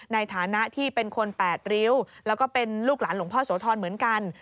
ในฐานะที่เป็นคนแปดริ้วแล้วก็เป็นลูกหลานหลวงพ่อโสธรเหมือนกัน